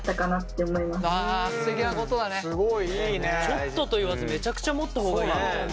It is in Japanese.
ちょっとと言わずめちゃくちゃ持った方がいい。